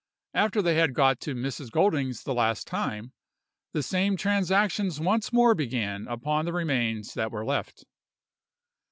After they had got to Mrs. Golding's the last time, the same transactions once more began upon the remains that were left.